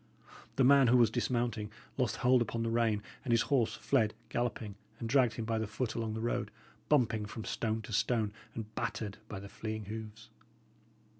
The man who was dismounting lost hold upon the rein, and his horse fled galloping, and dragged him by the foot along the road, bumping from stone to stone, and battered by the fleeing hoofs.